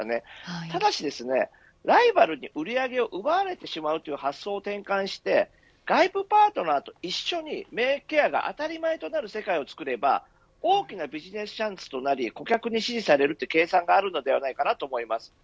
ただしですね、ライバルに売り上げを奪われてしまうという発想を転換して外部パートナーと一緒に免疫ケアが当たり前となる世界をつくれば大きなビジネスチャンスとなり顧客に支持されるという計算があるのではないかと思います。